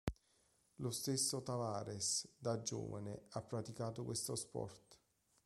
Lo stesso Tavares, da giovane, ha praticato questo sport.